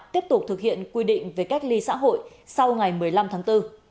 tiếp tục thực hiện quy định về cách ly xã hội sau ngày một mươi năm tháng bốn